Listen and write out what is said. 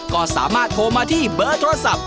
ก็สามารถโทรมาที่เบอร์โทรศัพท์